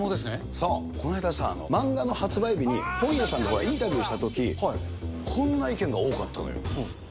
そう、この間さ、漫画の発売日に本屋さんでインタビューしたとき、こんな意見が多かったのよ。